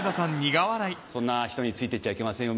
そんな人について行っちゃいけませんよ